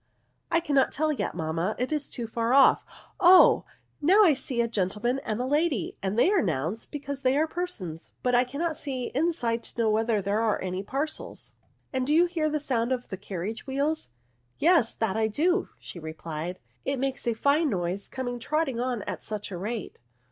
^' I cannot tell yet, manmia, it is too far off: — oh, now I see a gentleman and a lady ; and they are nouns, because they are persons ; but I cannot see inside to know whether there are any parcels." NOUNS. 1 1 " And do you hear the sound of the car riage wheels ?*'" Yes, that I do," replied she ;" it makes a fine noise coming trotting on at such a rate."